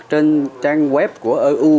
trên trang web của eu